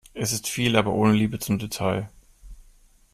Es ist viel, aber ohne Liebe zum Detail.